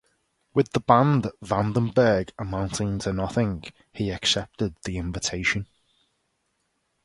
With the band Vandenberg amounting to nothing, he accepted the invitation.